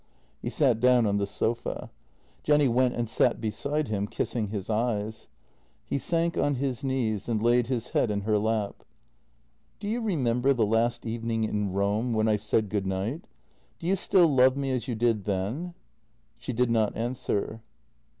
He sat down on the sofa. Jenny went and sat beside him, kissing his eyes. He sank on his knees and laid his head in her lap. " Do you remember the last evening in Rome, when I said good night? Do you still love me as you did then? " She did not answer.